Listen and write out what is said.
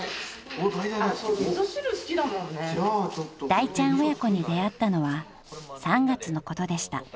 ［だいちゃん親子に出会ったのは３月のことでした］